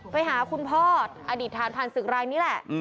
ไปหาคุณพ่ออดีตฐานผ่านศึกรายนี้แหละ